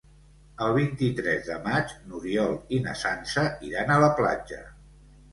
El vint-i-tres de maig n'Oriol i na Sança iran a la platja.